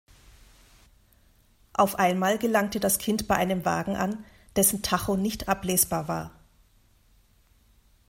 Auf einmal gelangte das Kind bei einem Wagen an, dessen Tacho nicht ablesbar war.